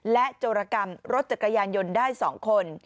โจรกรรมรถจักรยานยนต์ได้๒คน